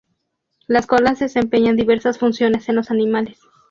Las colas desempeñan diversas funciones en los animales.